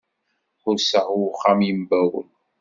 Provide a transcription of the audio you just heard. Ḥusseɣ i uxxam yembawel.